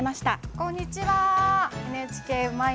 こんにちは。